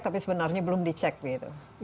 tapi sebenarnya belum dicek begitu